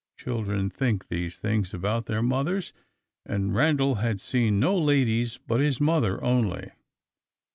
Children think these things about their mothers, and Randal had seen no ladies but his mother only.